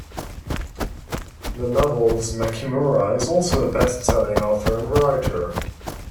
The novel's Makimura is also a best selling author and writer.